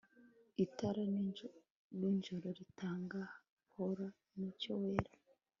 itara-nijoro ritanga halo yumucyo wera